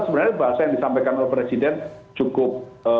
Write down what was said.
sebenarnya bahasa yang disampaikan oleh presiden cukup